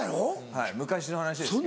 はい昔の話です。